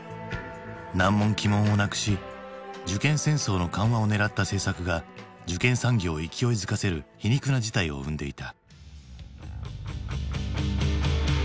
難問奇問をなくし受験戦争の緩和を狙った政策が受験産業を勢いづかせる皮肉な事態を生んでいた。